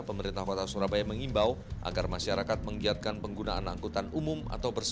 pemerintah kota surabaya mengimbau agar masyarakat menggiatkan penggunaan angkutan umum atau bersih